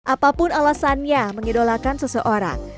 apapun alasannya mengidolakan seseorang